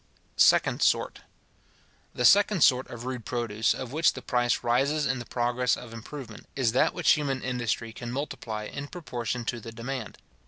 Second sort.—The second sort of rude produce, of which the price rises in the progress of improvement, is that which human industry can multiply in proportion to the demand.